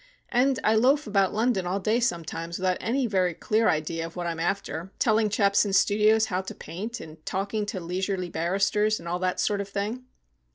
And I loaf about London all day sometimes without any very clear idea of what I am after, telling chaps in studios how to paint, and talking to leisurely barristers, and all that kind of thing."